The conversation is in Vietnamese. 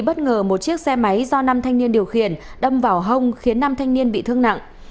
bất ngờ một chiếc xe máy do năm thanh niên điều khiển đâm vào hông khiến năm thanh niên bị thương nặng